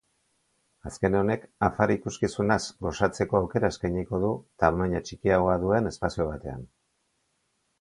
Azken honek afari-ikuskizunaz gozatzeko aukera eskainiko du, tamaina txikiagoa duen espazio batean.